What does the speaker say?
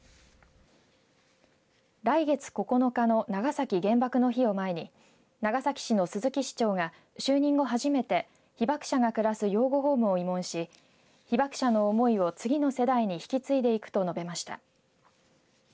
来月９日の長崎原爆の日を前に長崎市の鈴木市長が就任後初めて、被爆者が暮らす養護ホームを慰問し被爆者の思いを次の世代に引き継いでいくと述べました。